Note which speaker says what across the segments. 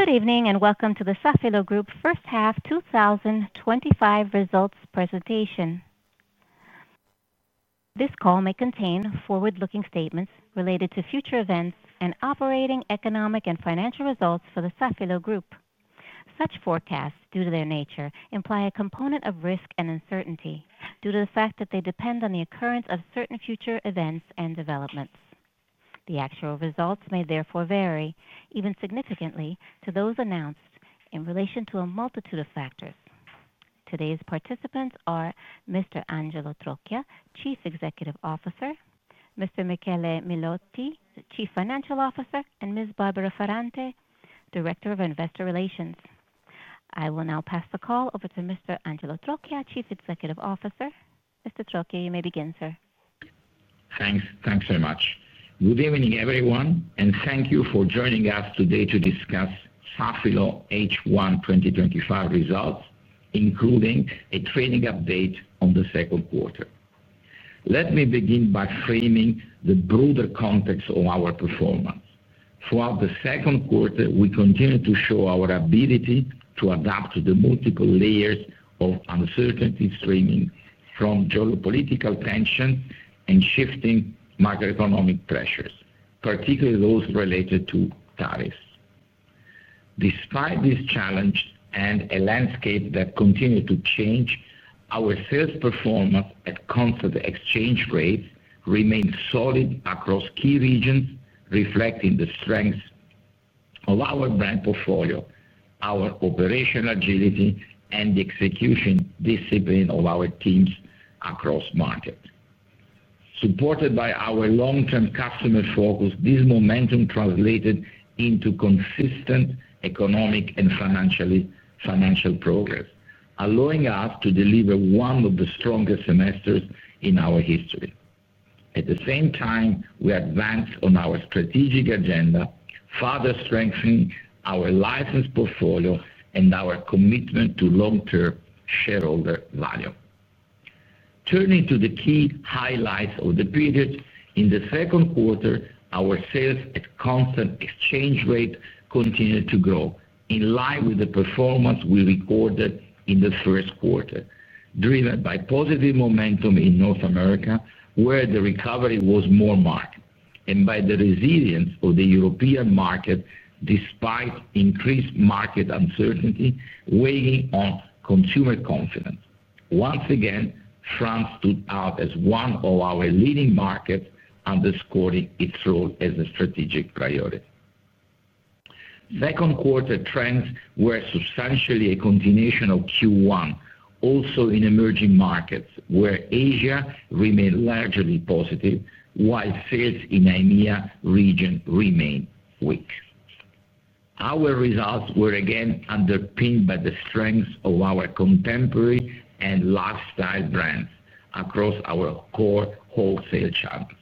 Speaker 1: Good evening and welcome to the Safilo Group first half 2025 results presentation. This call may contain forward-looking statements related to future events and operating, economic, and financial results for the Safilo Group. Such forecasts, due to their nature, imply a component of risk and uncertainty due to the fact that they depend on the occurrence of certain future events and developments. The actual results may therefore vary, even significantly, from those announced in relation to a multitude of factors. Today's participants are Mr. Angelo Trocchia, Chief Executive Officer, Mr. Michele Melotti, Chief Financial Officer, and Ms. Barbara Ferrante, Director of Investor Relations. I will now pass the call over to Mr. Angelo Trocchia, Chief Executive Officer. Mr. Trocchia, you may begin, sir.
Speaker 2: Thanks, thanks very much. Good evening, everyone, and thank you for joining us today to discuss Safilo H1 2025 results, including a training update on the second quarter. Let me begin by framing the broader context of our performance. Throughout the second quarter, we continue to show our ability to adapt to the multiple layers of uncertainty streaming from geopolitical tension and shifting macroeconomic pressures, particularly those related to tariffs. Despite this challenge and a landscape that continues to change, our sales performance at constant exchange rates remains solid across key regions, reflecting the strengths of our brand portfolio, our operational agility, and the execution discipline of our teams across markets. Supported by our long-term customer focus, this momentum translated into consistent economic and financial progress, allowing us to deliver one of the strongest semesters in our history. At the same time, we advanced on our strategic agenda, further strengthening our licensed portfolio and our commitment to long-term shareholder value. Turning to the key highlights of the period, in the second quarter, our sales at constant exchange rates continued to grow, in line with the performance we recorded in the first quarter, driven by positive momentum in North America, where the recovery was more marked, and by the resilience of the European market despite increased market uncertainty weighing on consumer confidence. Once again, France stood out as one of our leading markets, underscoring its role as a strategic priority. Second quarter trends were substantially a continuation of Q1, also in emerging markets, where Asia remained largely positive, while sales in the EMEA region remained weak. Our results were again underpinned by the strengths of our contemporary and lifestyle brands across our core wholesale channels.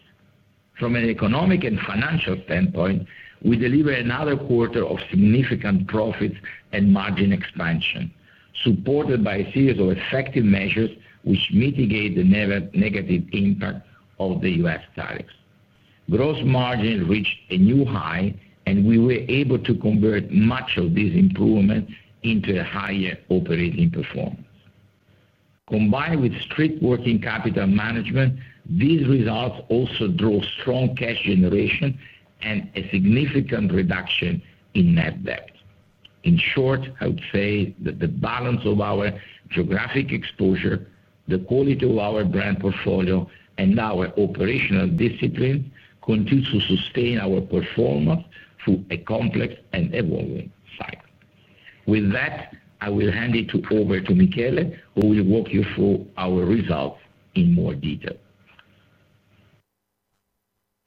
Speaker 2: From an economic and financial standpoint, we delivered another quarter of significant profits and margin expansion, supported by a series of effective measures which mitigated the negative impact of the U.S. tariffs. Gross margins reached a new high, and we were able to convert much of these improvements into a higher operating performance. Combined with strict working capital management, these results also drove strong cash generation and a significant reduction in net debt. In short, I would say that the balance of our geographic exposure, the quality of our brand portfolio, and our operational discipline continues to sustain our performance through a complex and evolving cycle. With that, I will hand it over to Michele, who will walk you through our results in more detail.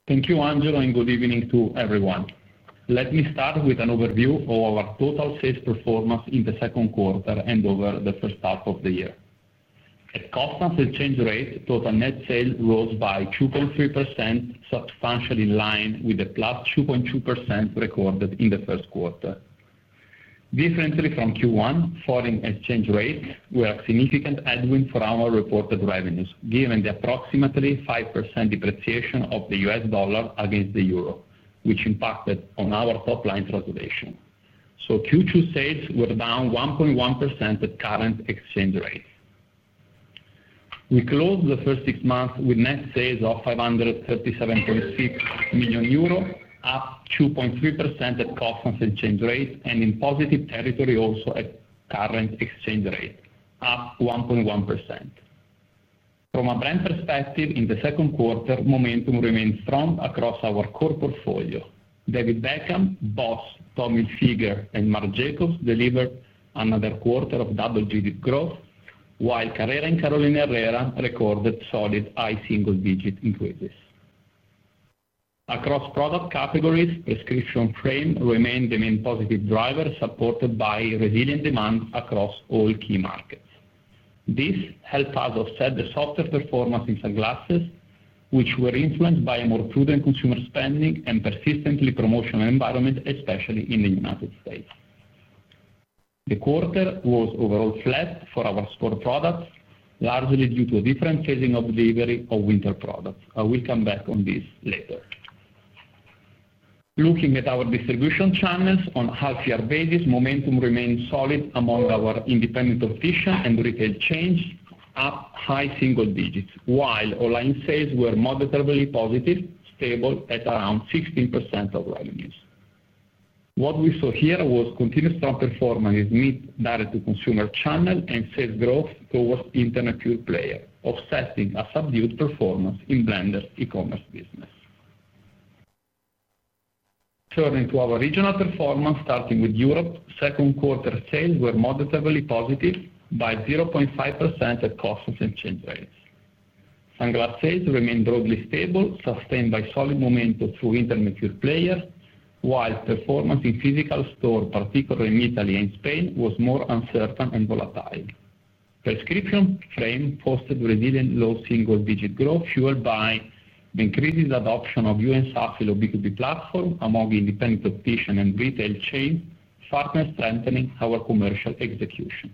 Speaker 3: Thank you, Angelo, and good evening to everyone. Let me start with an overview of our total sales performance in the second quarter and over the first half of the year. At constant exchange rates, total net sales rose by 2.3%, substantially in line with the +2.2% recorded in the first quarter. Differently from Q1, foreign exchange rates were a significant headwind for our reported revenues, given the approximately 5% depreciation of the U.S. dollar against the euro, which impacted on our top-line translation. Q2 sales were down 1.1% at current exchange rates. We closed the first six months with net sales of €537.6 million, up 2.3% at constant exchange rates, and in positive territory also at current exchange rates, up 1.1%. From a brand perspective, in the second quarter, momentum remained strong across our core portfolio. David Beckham, Boss, Tommy Hilfiger, and Marc Jacobs delivered another quarter of double-digit growth, while Carrera and Carolina Herrera recorded solid high single-digit increases. Across product categories, prescription frames remained the main positive driver, supported by resilient demand across all key markets. This helped us offset the softer performance in sunglasses, which were influenced by a more prudent consumer spending and persistently promotional environment, especially in the United States. The quarter was overall flat for our sport products, largely due to a different phasing of delivery of winter products. I will come back on this later. Looking at our distribution channels on a half-year basis, momentum remained solid among our independent competition and retail chains, up high single digits, while online sales were moderately positive, stable at around 16% of revenues. What we saw here was continued strong performance in direct-to-consumer channels and sales growth towards international players, offsetting a subdued performance in blended e-commerce business. Turning to our regional performance, starting with Europe, second quarter sales were moderately positive, by 0.5% at constant exchange rates. Sunglass sales remained broadly stable, sustained by solid momentum through international players, while performance in physical stores, particularly in Italy and Spain, was more uncertain and volatile. Prescription frame posted resilient low single-digit growth, fueled by increasing the adoption of the UN Safilo B2B platform among independent competition and retail chains, further strengthening our commercial execution.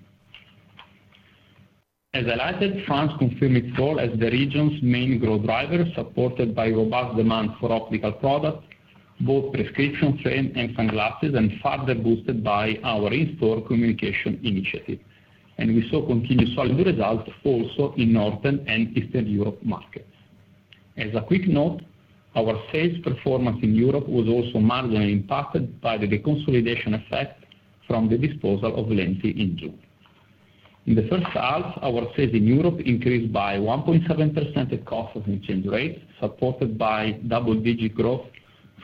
Speaker 3: As I highlighted, France confirmed its role as the region's main growth driver, supported by robust demand for optical products, both prescription frame and sunglasses, and further boosted by our in-store communication initiative. We saw continued solid results also in Northern and Eastern Europe markets. As a quick note, our sales performance in Europe was also marginally impacted by the consolidation effect from the disposal of Valenti in June. In the first half, our sales in Europe increased by 1.7% at constant exchange rates, supported by double-digit growth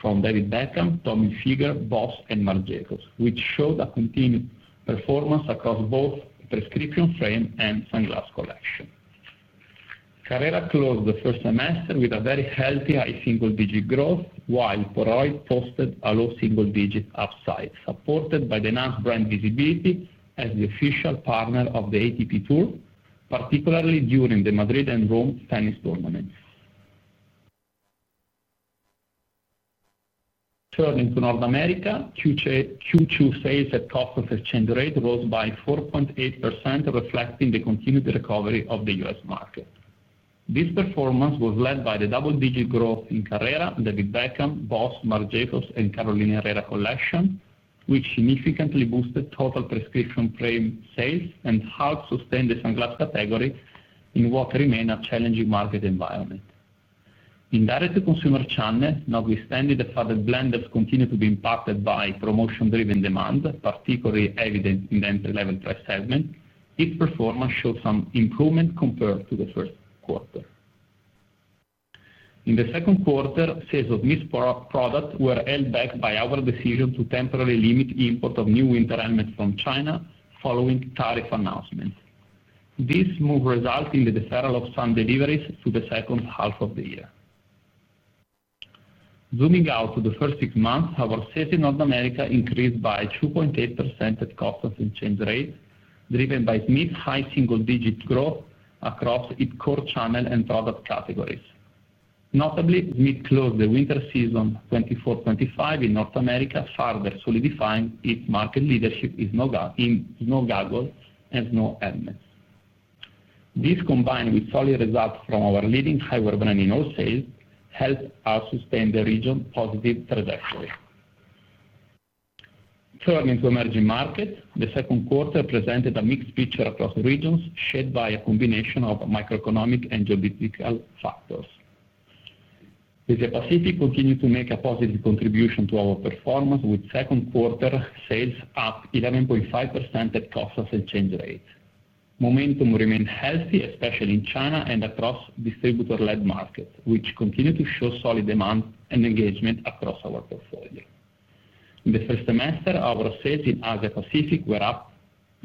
Speaker 3: from David Beckham, Tommy Hilfiger, Boss, and Marc Jacobs, which showed a continued performance across both prescription frame and sunglass collections. Carrera closed the first semester with a very healthy high single-digit growth, while Polaroid posted a low single-digit upside, supported by the enhanced brand visibility as the official partner of the ATP Tour, particularly during the Madrid and Rome tennis tournaments. Turning to North America, Q2 sales at constant exchange rates rose by 4.8%, reflecting the continued recovery of the U.S. market. This performance was led by the double-digit growth in Carrera, David Beckham, Boss, Marc Jacobs, and Carolina Herrera collections, which significantly boosted total prescription frame sales and helped sustain the sunglass category in what remained a challenging market environment. In direct-to-consumer channels, not withstanding the fact that Blenders continue to be impacted by promotion-driven demand, particularly evident in the entry-level price segment, its performance showed some improvement compared to the first quarter. In the second quarter, sales of mixed products were held back by our decision to temporarily limit the import of new winter elements from China following tariff announcements. This move resulted in the deferral of some deliveries to the second half of the year. Zooming out to the first six months, our sales in North America increased by 2.8% at constant exchange rates, driven by mid-high single-digit growth across its core channel and product categories. Notably, we closed the winter season 2024-2025 in North America, further solidifying its market leadership in snow goggles and snow helmets. This, combined with solid results from our leading high-performance in all sales, helped us sustain the region's positive trajectory. Turning to emerging markets, the second quarter presented a mixed picture across regions, shaped by a combination of macroeconomic and geopolitical factors. Asia-Pacific continued to make a positive contribution to our performance, with second quarter sales up 11.5% at constant exchange rates. Momentum remained healthy, especially in China and across distributor-led markets, which continued to show solid demand and engagement across our portfolio. In the first semester, our sales in Asia-Pacific were up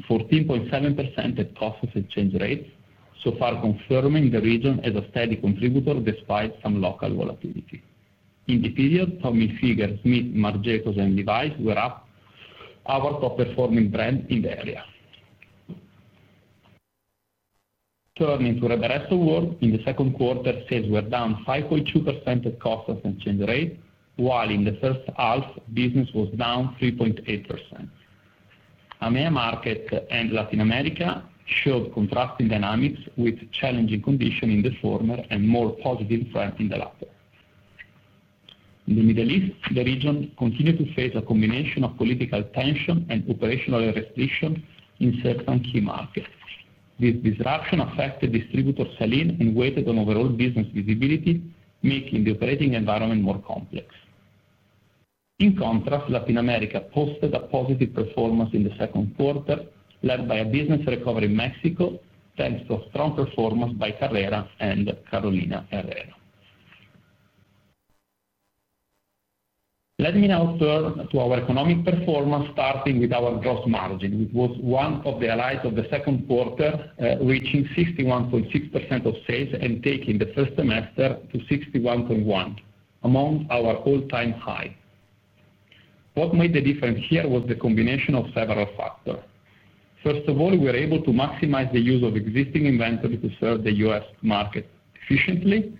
Speaker 3: 14.7% at constant exchange rates, so far confirming the region as a steady contributor despite some local volatility. In the period, Tommy Hilfiger, Smith, Marc Jacobs, and Levi's were up, our top-performing brands in the area. Turning to the rest of the world, in the second quarter, sales were down 5.2% at constant exchange rates, while in the first half, business was down 3.8%. AMEA markets and Latin America showed contrasting dynamics, with challenging conditions in the former and more positive trends in the latter. In the Middle East, the region continued to face a combination of political tensions and operational restrictions in certain key markets. This disruption affected distributor selling and weighed on overall business visibility, making the operating environment more complex. In contrast, Latin America posted a positive performance in the second quarter, led by a business recovery in Mexico, thanks to a strong performance by Carrera and Carolina Herrera. Let me now turn to our economic performance, starting with our gross margins, which was one of the highlights of the second quarter, reaching 61.6% of sales and taking the first semester to 61.1%, among our all-time highs. What made the difference here was the combination of several factors. First of all, we were able to maximize the use of existing inventory to serve the U.S. market efficiently,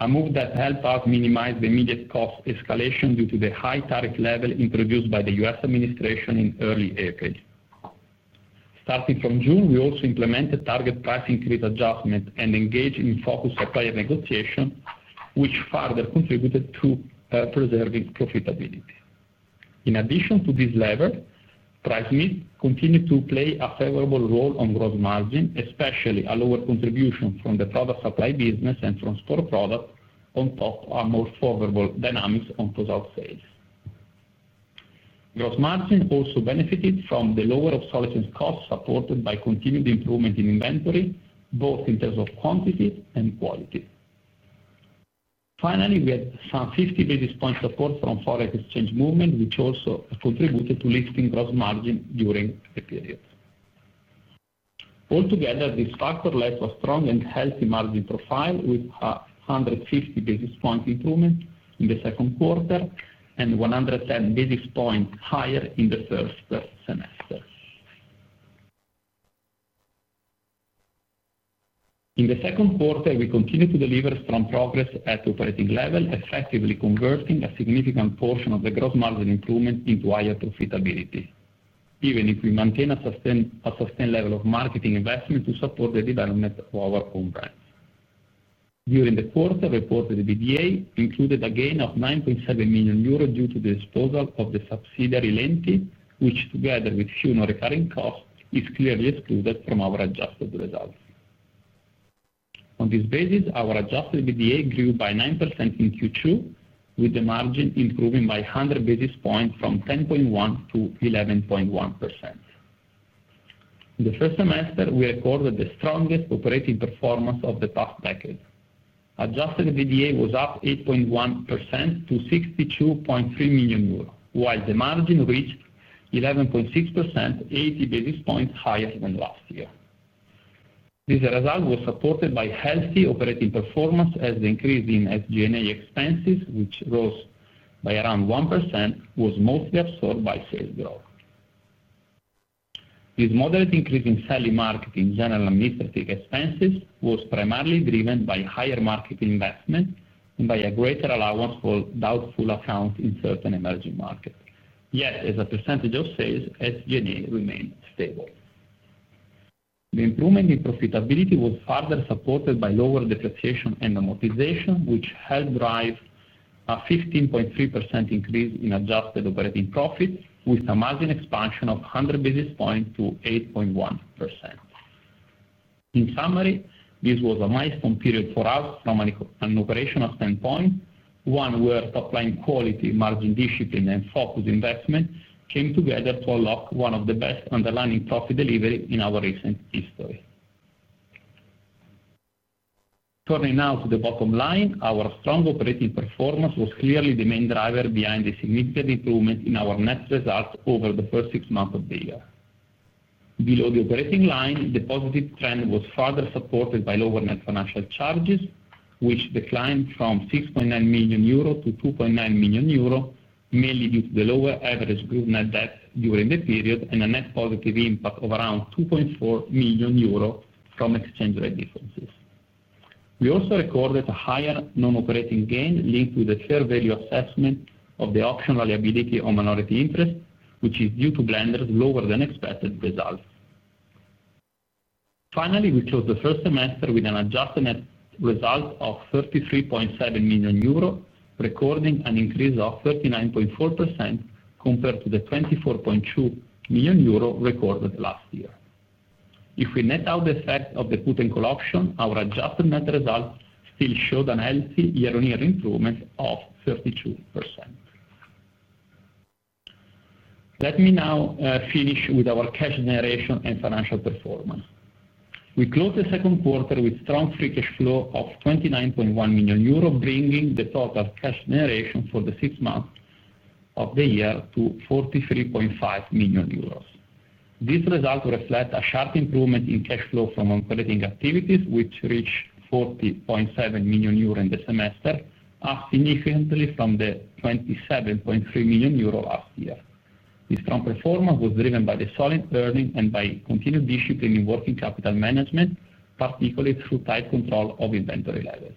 Speaker 3: a move that helped us minimize the immediate cost escalation due to the high tariff level introduced by the U.S. administration in early April. Starting from June, we also implemented target price increase adjustments and engaged in focused supplier negotiations, which further contributed to preserving profitability. In addition to these levels, price needs continued to play a favorable role on gross margins, especially a lower contribution from the total supply business and from store products on top of a more favorable dynamic on total sales. Gross margins also benefited from the lower obsolescence costs supported by continued improvement in inventory, both in terms of quantity and quality. Finally, we had some 50 basis points support from foreign exchange movements, which also contributed to lifting gross margins during the period. Altogether, this factor led to a strong and healthy margin profile, with 160 basis point improvements in the second quarter and 110 basis points higher in the first semester. In the second quarter, we continued to deliver strong progress at the operating level, effectively converting a significant portion of the gross margin improvement into higher profitability, even if we maintained a sustained level of marketing investment to support the development of our own brands. During the quarter, reported EBITDA included a gain of 9.7 million euros due to the disposal of the subsidiary Valenti, which, together with few non-recurring costs, is clearly excluded from our adjusted results. On this basis, our adjusted EBITDA grew by 9% in Q2, with the margin improving by 100 basis points from 10.1% to 11.1%. In the first semester, we recorded the strongest operating performance of the past decade. Adjusted EBITDA was up 8.1% to 62.3 million euros, while the margin reached 11.6%, 80 basis points higher than last year. This result was supported by healthy operating performance as the increase in SG&A expenses, which rose by around 1%, was mostly absorbed by sales growth. This moderate increase in selling, marketing, general and administrative expenses was primarily driven by higher marketing investment and by a greater allowance for doubtful accounts in certain emerging markets. Yet, as a percentage of sales, SG&A remained stable. The improvement in profitability was further supported by lower depreciation and amortization, which helped drive a 15.3% increase in adjusted operating profits, with a margin expansion of 100 basis points to 8.1%. In summary, this was a milestone period for us from an operational standpoint, one where top-line quality, margin discipline, and focused investment came together to unlock one of the best underlying profit delivery in our recent history. Turning now to the bottom line, our strong operating performance was clearly the main driver behind the significant improvement in our net results over the first six months of the year. Below the operating line, the positive trend was further supported by lower net financial charges, which declined from 6.9 million euro to 2.9 million euro, mainly due to the lower average group net debt during the period and a net positive impact of around 2.4 million euro from exchange rate differences. We also recorded a higher non-operating gain linked with a fair value assessment of the option reliability on minority interest, which is due to blenders' lower than expected results. Finally, we closed the first semester with an adjusted net result of 33.7 million euro, recording an increase of 39.4% compared to the 24.2 million euro recorded last year. If we net out the effects of the put and call option, our adjusted net results still showed a healthy year-on-year improvement of 32%. Let me now finish with our cash generation and financial performance. We closed the second quarter with a strong free cash flow of 29.1 million euro, bringing the total cash generation for the six months of the year to 43.5 million euros. This result reflects a sharp improvement in cash flow from operating activities, which reached 40.7 million euro in the semester, up significantly from the 27.3 million euro last year. This strong performance was driven by the solid earnings and by continued discipline in working capital management, particularly through tight control of inventory levels.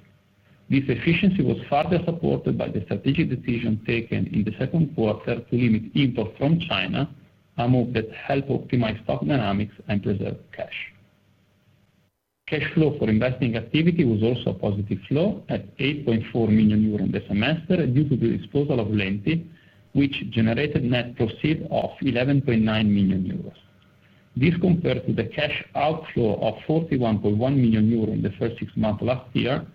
Speaker 3: This efficiency was further supported by the strategic decision taken in the second quarter to limit imports from China, a move that helped optimize stock dynamics and preserve cash. Cash flow for investing activity was also a positive flow at 8.4 million euro in the semester due to the disposal of Valenti, which generated net proceeds of 11.9 million euros. This compared to the cash outflow of 41.1 million euro in the first six months of last year,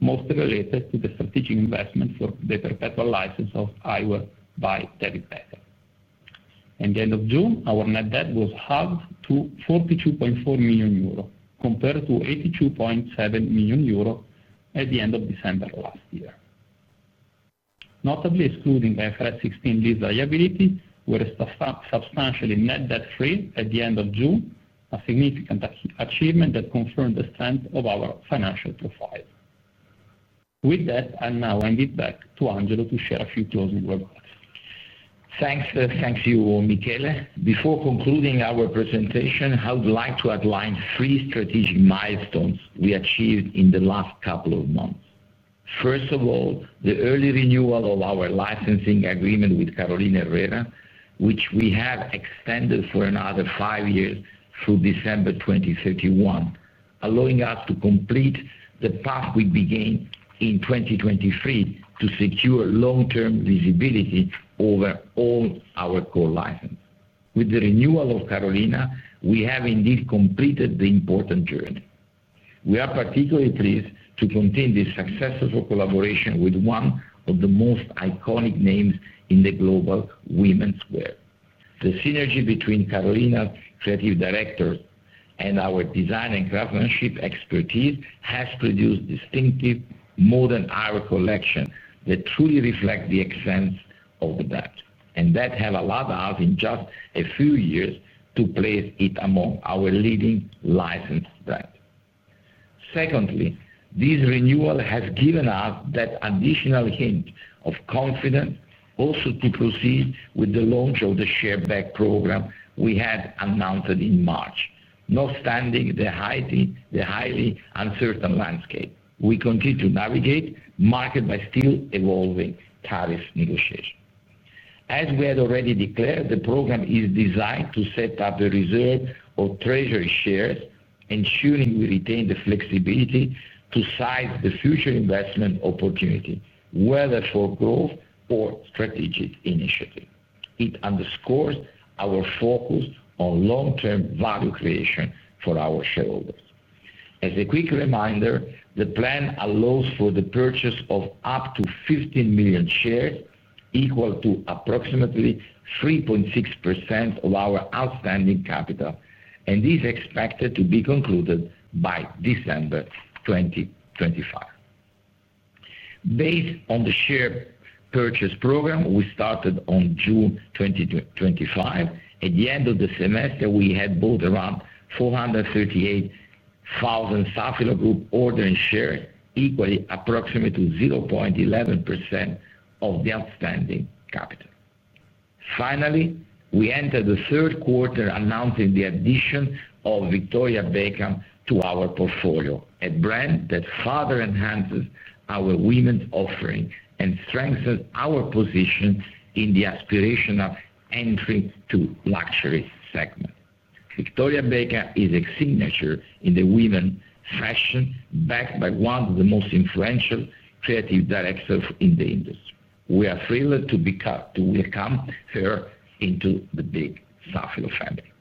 Speaker 3: mostly related to the strategic investment for the perpetual license of Iowa by Teddy Pettit. At the end of June, our net debt was halved to 42.4 million euro, compared to 82.7 million euro at the end of December last year. Notably, excluding IFRS 16 lease liability, we were substantially net debt-free at the end of June, a significant achievement that confirmed the strength of our financial profile. With that, I'll now hand it back to Angelo to share a few closing remarks.
Speaker 2: Thanks, thanks to you all, Michele. Before concluding our presentation, I would like to outline three strategic milestones we achieved in the last couple of months. First of all, the early renewal of our licensing agreement with Carolina Herrera, which we have extended for another five years through December 2031, allowing us to complete the path we began in 2023 to secure long-term visibility over all our core licenses. With the renewal of Carolina, we have indeed completed the important journey. We are particularly pleased to continue this successful collaboration with one of the most iconic names in global women's wear. The synergy between Carolina's Creative Director and our design and craftsmanship expertise has produced distinctive modern eyewear collections that truly reflect the essence of that. That has allowed us in just a few years to place it among our leading licensed brands. Secondly, this renewal has given us that additional hint of confidence also to proceed with the launch of the share buyback program we had announced in March, not withstanding the highly uncertain landscape. We continue to navigate markets by still evolving tariff negotiations. As we had already declared, the program is designed to set up the reserve of treasury shares, ensuring we retain the flexibility to size the future investment opportunity, whether for growth or strategic initiatives. It underscores our focus on long-term value creation for our shareholders. As a quick reminder, the plan allows for the purchase of up to 15 million shares, equal to approximately 3.6% of our outstanding capital, and this is expected to be concluded by December 2025. Based on the share purchase program we started on June 2025, at the end of the semester, we had bought around 438,000 Safilo Group ordinary shares, equating approximately to 0.11% of the outstanding capital. Finally, we entered the third quarter announcing the addition of Victoria Beckham to our portfolio, a brand that further enhances our women's offering and strengthens our position in the aspirational entry to the luxury segment. Victoria Beckham is a signature in women's fashion, backed by one of the most influential Creative Directors in the industry. We are thrilled to welcome her into the big Safilo family.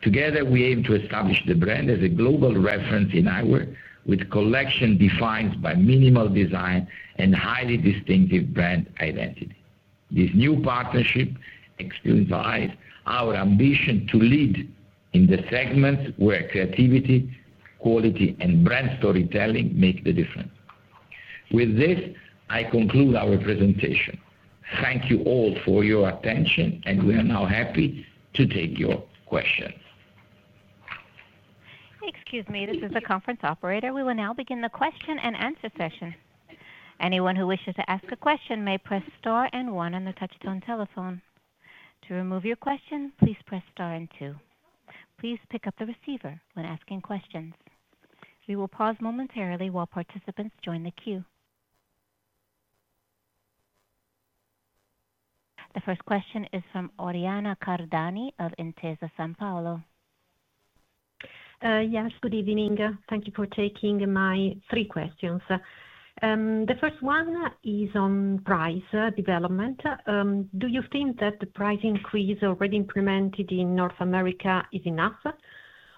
Speaker 2: Together, we aim to establish the brand as a global reference in eyewear, with collections defined by minimal design and highly distinctive brand identity. This new partnership explains our ambition to lead in the segments where creativity, quality, and brand storytelling make the difference. With this, I conclude our presentation. Thank you all for your attention, and we are now happy to take your questions.
Speaker 1: Excuse me, this is the conference operator. We will now begin the question and answer session. Anyone who wishes to ask a question may press star and one on the touchstone telephone. To remove your question, please press star and two. Please pick up the receiver when asking questions. We will pause momentarily while participants join the queue. The first question is from Oriana Cardani of Intesa Sanpaolo.
Speaker 4: Yes, good evening. Thank you for taking my three questions. The first one is on price development. Do you think that the price increase already implemented in North America is enough,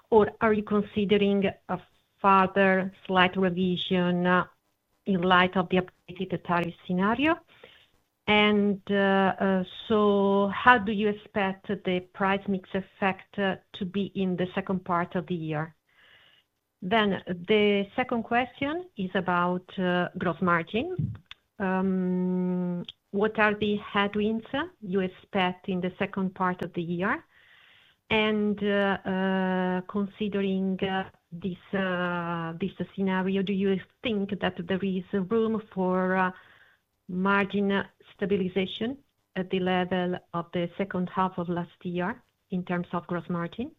Speaker 4: or are you considering a further slight revision in light of the updated tariff scenario? How do you expect the price mix effect to be in the second part of the year? The second question is about gross margins. What are the headwinds you expect in the second part of the year? Considering this business scenario, do you think that there is room for margin stabilization at the level of the second half of last year in terms of gross margin?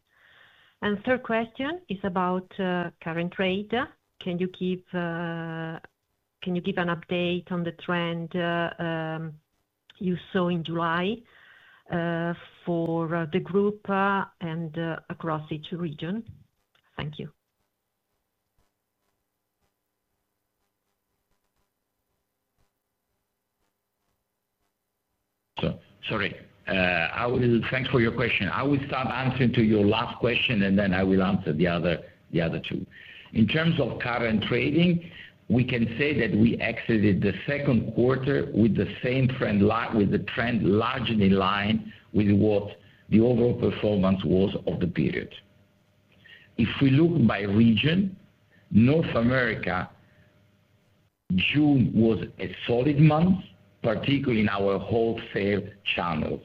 Speaker 4: The third question is about current rate. Can you give an update on the trend you saw in July for the group and across each region? Thank you.
Speaker 2: Sorry. Thanks for your question. I will start answering to your last question, and then I will answer the other two. In terms of current trading, we can say that we exited the second quarter with the same trend, with the trend largely in line with what the overall performance was of the period. If we look by region, North America, June was a solid month, particularly in our wholesale channels.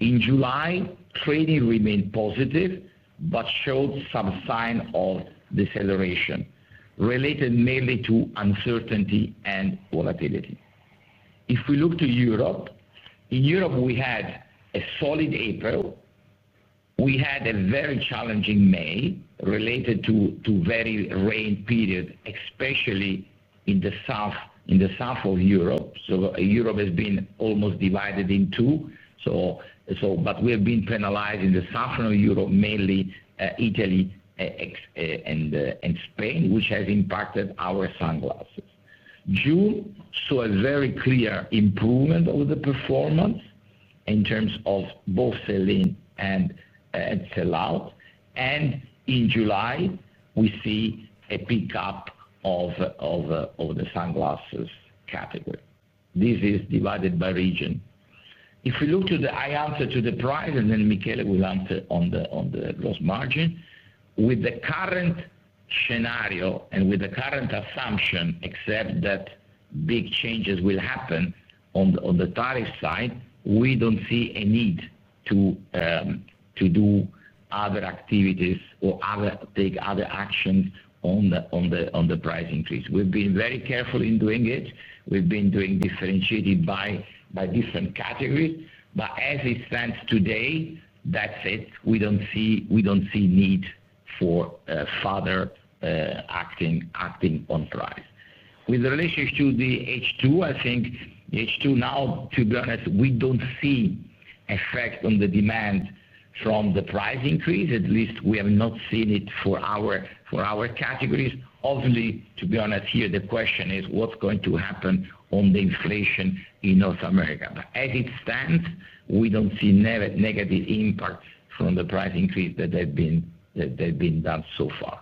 Speaker 2: In July, trading remained positive but showed some sign of deceleration related mainly to uncertainty and volatility. If we look to Europe, in Europe, we had a solid April. We had a very challenging May related to a very rainy period, especially in the south of Europe. Europe has been almost divided in two, but we have been penalized in the southern Europe, mainly Italy and Spain, which has impacted our sunglasses. June saw a very clear improvement of the performance in terms of both selling and sell-out. In July, we see a pickup of the sunglasses capital. This is divided by region. If we look to the answer to the price, and then Michele will answer on the gross margin. With the current scenario and with the current assumption, except that big changes will happen on the tariff side, we don't see a need to do other activities or take other actions on the price increase. We've been very careful in doing it. We've been differentiated by different categories. As it stands today, that's it. We don't see a need for further acting on price. With relation to the H2, I think H2 now, to be honest, we don't see an effect on the demand from the price increase. At least we have not seen it for our categories. Obviously, to be honest here, the question is what's going to happen on the inflation in North America. As it stands, we don't see a negative impact from the price increase that has been done so far.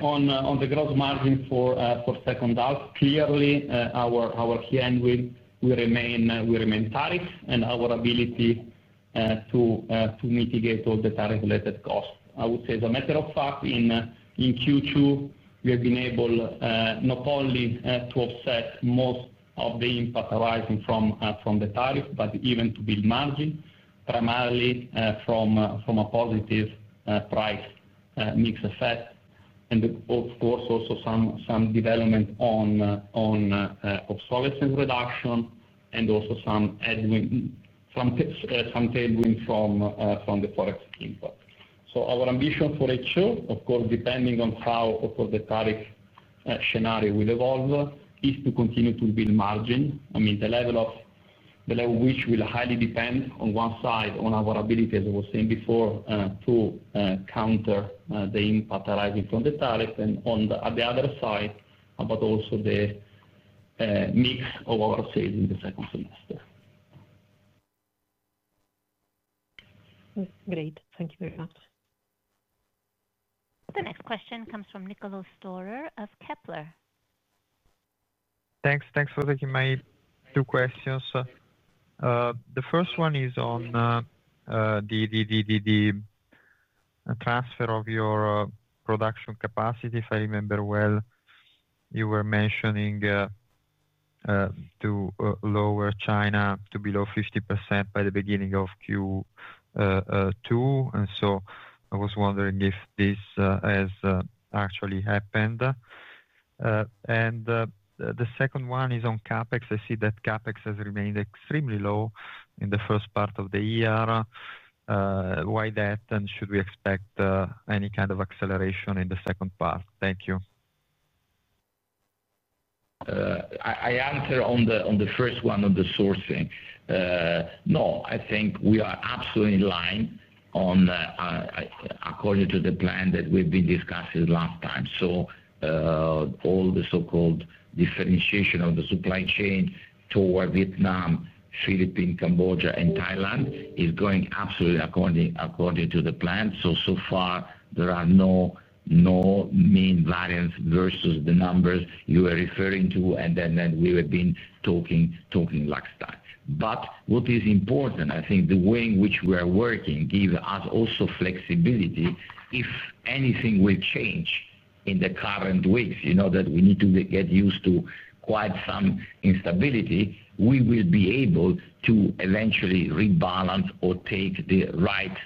Speaker 3: On the gross margin for the second half, clearly, our key headwind will remain tariffs and our ability to mitigate all the tariff-related costs. I would say as a matter of fact, in Q2, we have been able not only to offset most of the impact arising from the tariffs, but even to build margin, primarily from a positive price mix effect. Of course, also some development on obsolescence reduction and also some tailwind from the forex import. Our ambition for H2, of course, depending on how the tariff scenario will evolve, is to continue to build margin. The level of which will highly depend on one side, on our ability, as I was saying before, to counter the impact arising from the tariffs, and on the other side, also the mix of our sales in the second semester.
Speaker 4: Great. Thank you very much.
Speaker 1: The next question comes from Niccolo Storer of Kepler.
Speaker 5: Thanks. Thanks for taking my two questions. The first one is on the transfer of your production capacity. If I remember well, you were mentioning to lower China to below 50% by the beginning of Q2. I was wondering if this has actually happened. The second one is on CapEx. I see that CapEx has remained extremely low in the first part of the year. Why that, and should we expect any kind of acceleration in the second part? Thank you.
Speaker 2: I answer on the first one on the sourcing. No, I think we are absolutely in line according to the plan that we've been discussing last time. All the so-called differentiation of the supply chain toward Vietnam, Philippines, Cambodia, and Thailand is going absolutely according to the plan. So far, there are no main variants versus the numbers you were referring to, and then we have been talking like stuff. What is important, I think the way in which we are working gives us also flexibility. If anything will change in the current waves, you know that we need to get used to quite some instability, we will be able to eventually rebalance or take the right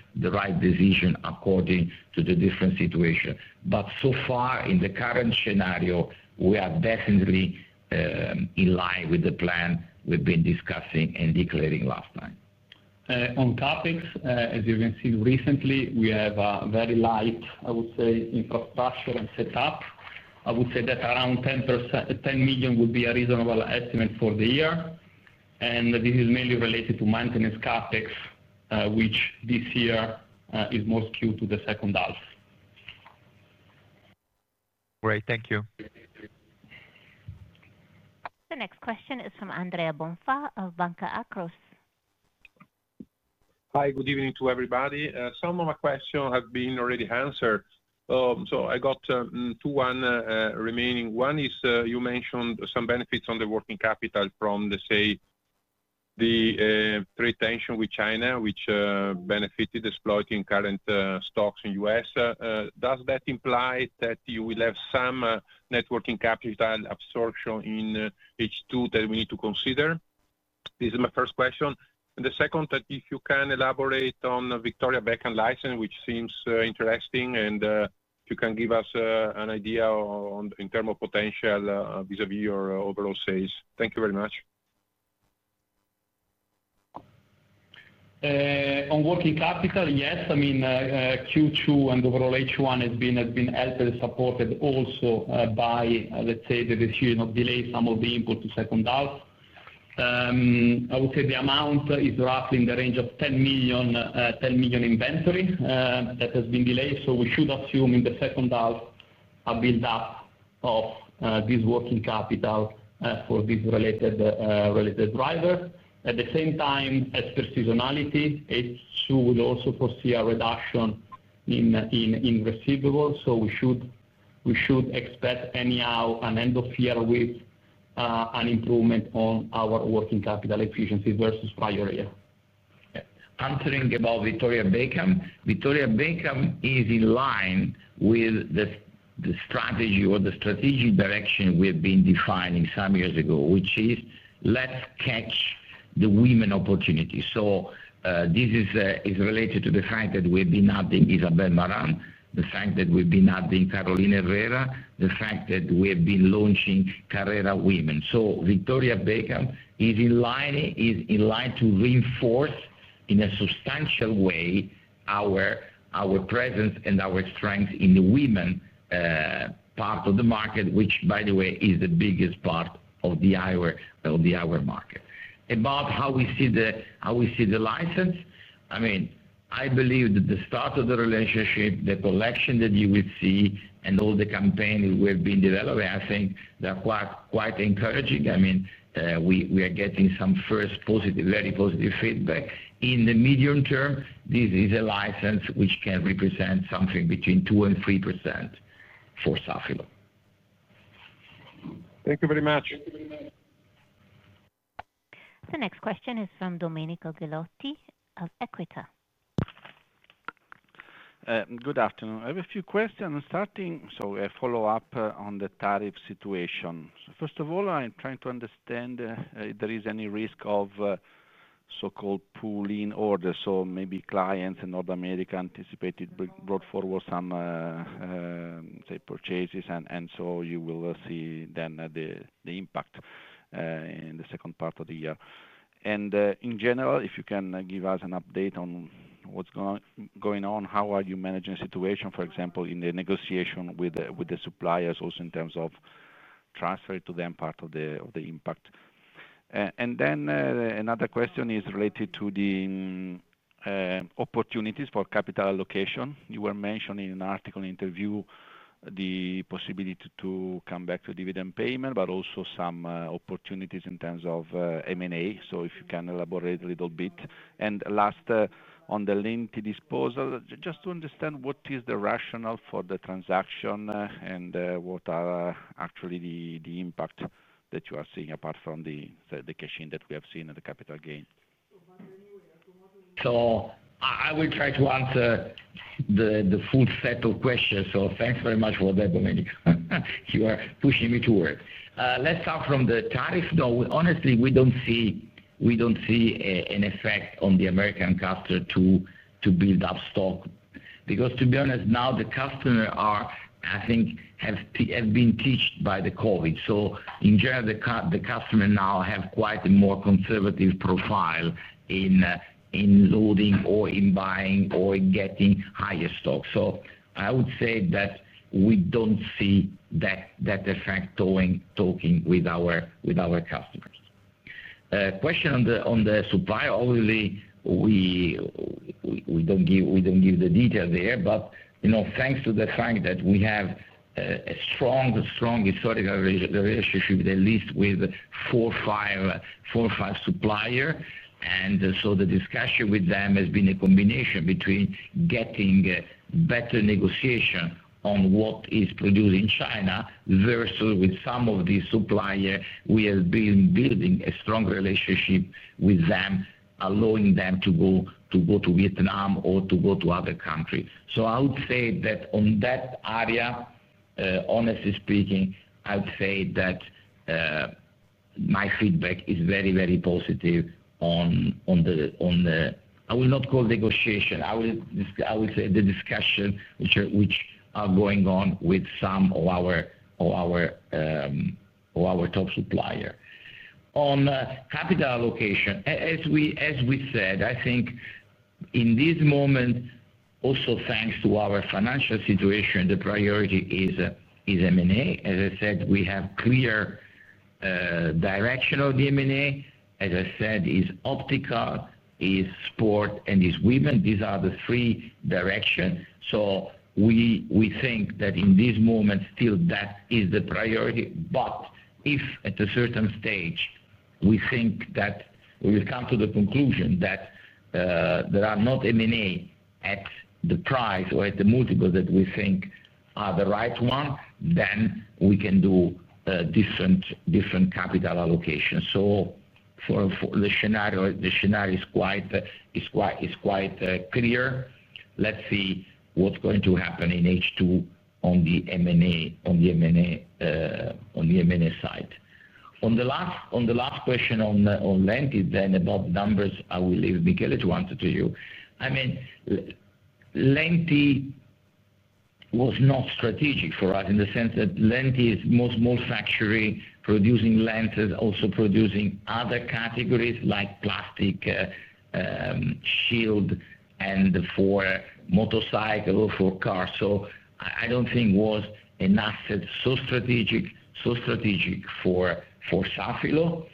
Speaker 2: decision according to the different situation. In the current scenario, we are definitely in line with the plan we've been discussing and declaring last time.
Speaker 3: On capping, as you can see recently, we have a very light, I would say, input pass-through on setup. I would say that around €10 million would be a reasonable estimate for the year. This is mainly related to maintenance CapEx, which this year is more skewed to the second half.
Speaker 5: Great. Thank you.
Speaker 1: The next question is from Andrea Bonfa of Banca Akros.
Speaker 6: Hi. Good evening to everybody. Some of my questions have been already answered. I got two remaining ones. You mentioned some benefits on the working capital from, say, the trade tension with China, which benefited exploiting current stocks in the U.S. Does that imply that you will have some net working capital absorption in H2 that we need to consider? This is my first question. If you can elaborate on the Victoria Beckham license, which seems interesting, and if you can give us an idea in terms of potential vis-à-vis your overall sales. Thank you very much.
Speaker 3: On working capital, yes. I mean, Q2 and overall H1 have been helped and supported also by, let's say, the decision of delaying some of the input to the second half. I would say the amount is roughly in the range of $10 million inventory that has been delayed. We should assume in the second half a build-up of this working capital for these related drivers. At the same time, as precisionality, H2 would also foresee a reduction in receivables. We should expect anyhow an end of year with an improvement on our working capital efficiency versus prior year.
Speaker 2: Answering about Victoria Beckham, Victoria Beckham is in line with the strategy or the strategic direction we have been defining some years ago, which is let's catch the women opportunity. This is related to the fact that we have been adding Isabel Marant, the fact that we've been adding Carolina Herrera, the fact that we have been launching Carrera women. Victoria Beckham is in line to reinforce in a substantial way our presence and our strength in the women part of the market, which, by the way, is the biggest part of the eyewear market. About how we see the license, I mean, I believe that the start of the relationship, the collection that you would see, and all the campaigns we have been developing, I think they're quite encouraging. We are getting some first positive, very positive feedback. In the medium term, this is a license which can represent something between 2% and 3% for Safilo.
Speaker 6: Thank you very much.
Speaker 1: The next question is from Domenico Gallotti of Equita.
Speaker 7: Good afternoon. I have a few questions. I'm starting, so I follow up on the tariff situation. First of all, I'm trying to understand if there is any risk of so-called pooling orders. Maybe clients in North America anticipated, brought forward some, say, purchases, and you will see then the impact in the second part of the year. In general, if you can give us an update on what's going on, how are you managing the situation, for example, in the negotiation with the suppliers, also in terms of transferring to them part of the impact. Another question is related to the opportunities for capital allocation. You were mentioning in an article interview the possibility to come back to dividend payment, but also some opportunities in terms of M&A. If you can elaborate a little bit. Last, on the limited disposal, just to understand what is the rationale for the transaction and what are actually the impacts that you are seeing apart from the cash in that we have seen in the capital gain.
Speaker 2: I will try to answer the full set of questions. Thanks very much for that, Domenico. You are pushing me to work. Let's start from the tariff. Honestly, we don't see an effect on the American customer to build up stock because, to be honest, now the customers are, I think, have been taught by the COVID. In general, the customers now have quite a more conservative profile in loading or in buying or in getting higher stocks. I would say that we don't see that effect talking with our customers. Question on the supplier, obviously, we don't give the details there, but you know thanks to the fact that we have a strong, strong historical relationship with at least four or five suppliers. The discussion with them has been a combination between getting better negotiations on what is produced in China versus with some of these suppliers. We have been building a strong relationship with them, allowing them to go to Vietnam or to go to other countries. I would say that on that area, honestly speaking, my feedback is very, very positive on the, I will not call it negotiation. I would say the discussions which are going on with some of our top suppliers. On capital allocation, as we said, I think in this moment, also thanks to our financial situation, the priority is M&A. As I said, we have clear direction of the M&A. As I said, it's optical, it's sport, and it's women. These are the three directions. We think that in this moment, still, that is the priority. If at a certain stage we think that we will come to the conclusion that there are not M&A at the price or at the multiple that we think are the right ones, then we can do different capital allocations. The scenario is quite clear. Let's see what's going to happen in H2 on the M&A side. On the last question on Valenti, then about numbers, I will leave Michele to answer to you. Valenti was not strategic for us in the sense that Valenti is a small factory producing lenses, also producing other categories like plastic, shield, and for motorcycles or for cars. I don't think it was enough strategic for Safilo.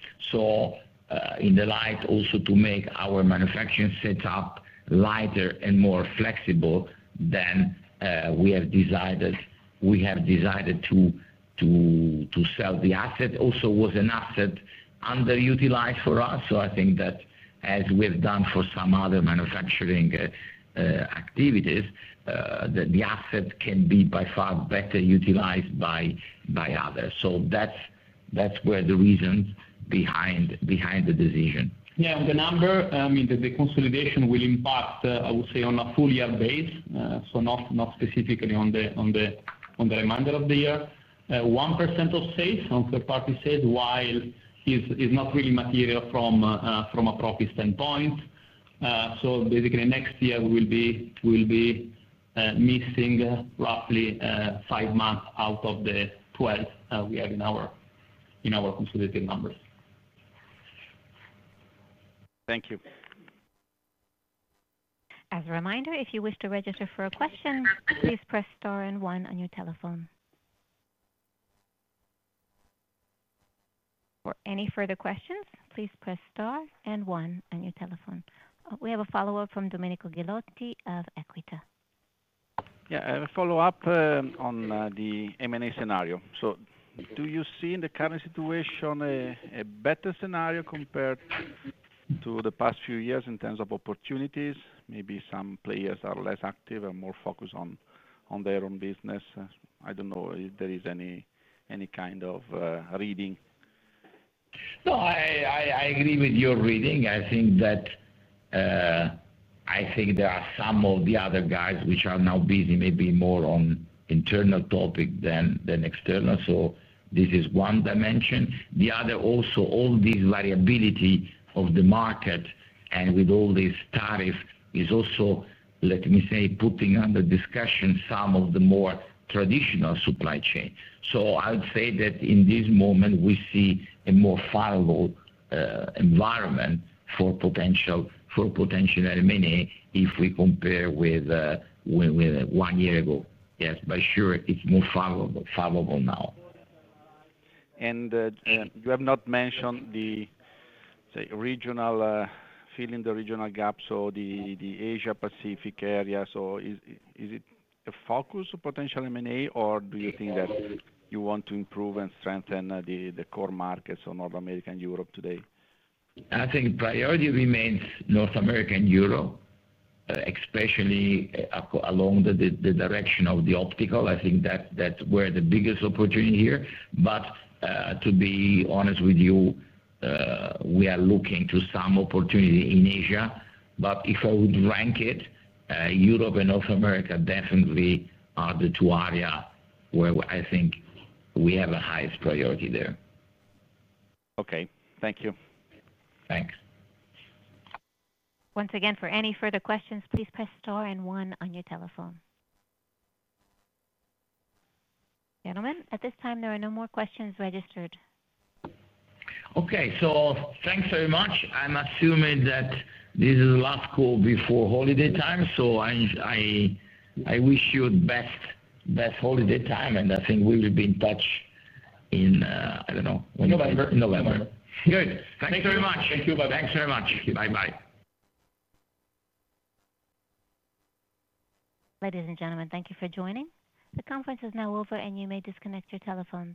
Speaker 2: In the light also to make our manufacturing setup lighter and more flexible, we have decided to sell the asset. Also, it was an asset underutilized for us. I think that as we've done for some other manufacturing activities, the asset can be by far better utilized by others. That's where the reasons behind the decision.
Speaker 3: Yeah, with the number, I mean, the consolidation will impact, I would say, on a full year base, not specifically on the remainder of the year. 1% of sales on third-party sales is not really material from a profit standpoint. Basically, next year, we will be missing roughly five months out of the 12 we have in our consolidated numbers.
Speaker 7: Thank you.
Speaker 1: As a reminder, if you wish to register for a question, please press star and one on your telephone. For any further questions, please press star and one on your telephone. We have a follow-up from Domenico Gallotti of Equita.
Speaker 7: I have a follow-up on the M&A scenario. Do you see in the current situation a better scenario compared to the past few years in terms of opportunities? Maybe some players are less active and more focused on their own business. I don't know if there is any kind of reading.
Speaker 2: No, I agree with your reading. I think there are some of the other guys which are now busy maybe more on internal topics than external. This is one dimension. Also, all this variability of the market and with all this tariff is, let me say, putting under discussion some of the more traditional supply chains. I would say that in this moment, we see a more viable environment for potential M&A if we compare with one year ago. Yes, it's more viable now.
Speaker 7: You have not mentioned the regional gap, the Asia-Pacific area. Is it a focus of potential M&A, or do you think that you want to improve and strengthen the core markets of North America and Europe today?
Speaker 2: I think priority remains North America and Europe, especially along the direction of the optical. I think that's where the biggest opportunity is here. To be honest with you, we are looking to some opportunity in Asia. If I would rank it, Europe and North America definitely are the two areas where I think we have the highest priority there.
Speaker 7: Okay. Thank you.
Speaker 2: Thanks.
Speaker 1: Once again, for any further questions, please press star and one on your telephone. Gentlemen, at this time, there are no more questions registered.
Speaker 2: Okay. Thanks very much. I'm assuming that this is the last call before holiday time. I wish you the best holiday time. I think we will be in touch, I don't know, when you're in November.
Speaker 3: November. Good, thanks very much.
Speaker 2: Thank you. Bye-bye.
Speaker 3: Thanks very much.
Speaker 2: Thank you. Bye-bye.
Speaker 1: Ladies and gentlemen, thank you for joining. The conference is now over, and you may disconnect your telephone.